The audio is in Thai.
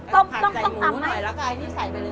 ผัดใส่หมูหน่อยแล้วก็อันนี้ใส่ไปเลย